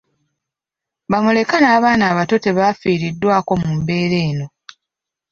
Bamulekwa n’abaana abato tebafiiriddwako mu mbeera eno.